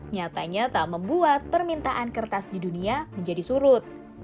nyatanya tak membuat permintaan kertas di dunia menjadi surut